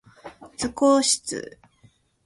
図工室